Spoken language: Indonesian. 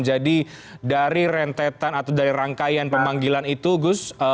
jadi dari rentetan atau dari rangkaian pemanggilan itu gus